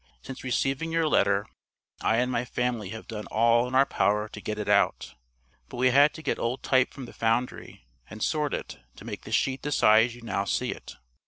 Since receiving your letter, I and my family have done all in our power to get it out, but we had to get old type from the foundry and sort it, to make the sheet the size you now see it.